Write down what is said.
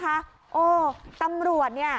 โอ้ตำรวจเนี่ยคือต้องบอกว่าภาพที่คุณผอมผ้าชมเห็นนะ